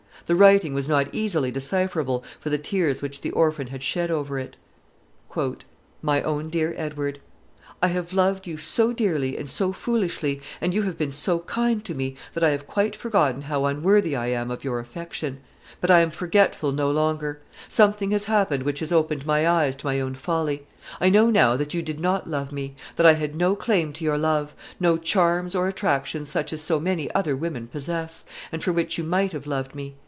The writing was not easily decipherable for the tears which the orphan girl had shed over it. "MY OWN DEAR EDWARD, I have loved you so dearly and so foolishly, and you have been so kind to me, that I have quite forgotten how unworthy I am of your affection. But I am forgetful no longer. Something has happened which has opened my eyes to my own folly, I know now that you did not love me; that I had no claim to your love; no charms or attractions such as so many other women possess, and for which you might have loved me.